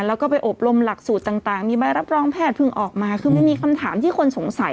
แล้วก็ไปอบรมหลักสูตรต่างมีใบรับรองแพทย์เพิ่งออกมาคือมันมีคำถามที่คนสงสัย